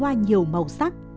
qua nhiều màu sắc